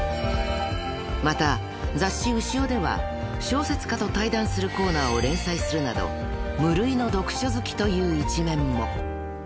［また雑誌『潮』では小説家と対談するコーナーを連載するなど無類の読書好きという一面も］